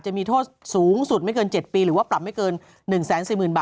จะมีโทษสูงสุดไม่เกิน๗ปีหรือว่าปรับไม่เกิน๑๔๐๐๐บาท